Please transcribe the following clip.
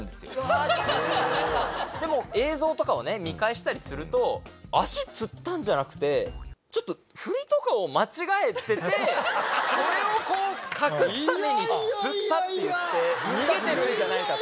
でも映像とかを見返したりすると足つったんじゃなくてちょっと振りとかを間違えててそれを隠すためにつったって言って逃げてるんじゃないかと。